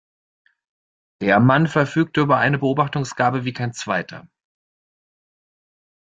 Der Mann verfügt über eine Beobachtungsgabe wie kein zweiter.